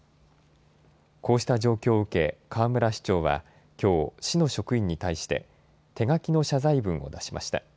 こうした状況を受け、河村市長はきょう、市の職員に対して、手書きの謝罪文を出しました。